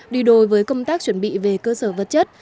đi đôi với công tác chuẩn bị về cơ sở vật chất